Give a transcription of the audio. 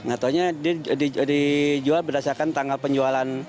atau dia dijual berdasarkan tanggal penjualan